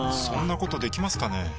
そんなことできますかね？